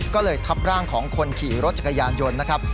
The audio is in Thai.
ก็เลยทับร่างของคนขี่รถจักรยานยนต์นะครับ